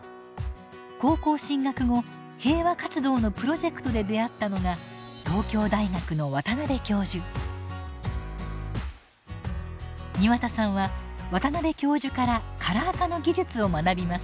高校進学後平和活動のプロジェクトで出会ったのが東京大学の庭田さんは渡邉教授からカラー化の技術を学びます。